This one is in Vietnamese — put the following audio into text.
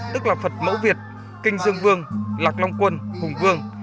tức là phật mẫu việt kinh dương vương lạc long quân hùng vương